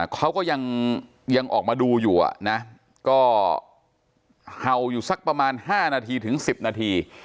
เขาก็ยังออกมาดูอยู่นะก็เห่าอยู่สักประมาณ๕นาทีถึง๑๐นาที